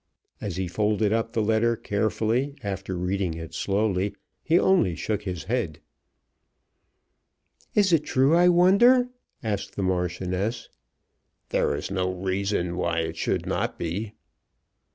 As he folded up the letter carefully after reading it slowly, he only shook his head. "Is it true, I wonder?" asked the Marchioness. "There is no reason why it should not be."